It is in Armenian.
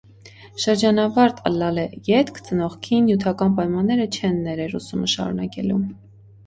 Շրջանաւարտ ըլլալէ ետք, ծնողքին նիւթական պայմանները չեն ներեր ուսումը շարունակելու։